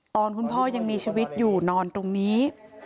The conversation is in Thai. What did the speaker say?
ตอนคุณพ่อยังมีชีวิตอยู่นอนตรงนี้